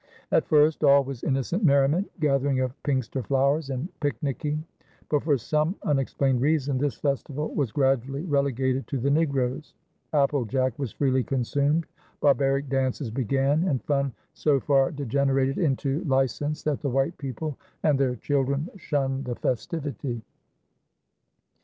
At first all was innocent merriment, gathering of Pinkster flowers, and picnicking; but for some unexplained reason this festival was gradually relegated to the negroes. Apple jack was freely consumed, barbaric dances began, and fun so far degenerated into license that the white people and their children shunned the festivity.